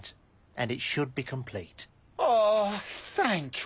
ああ。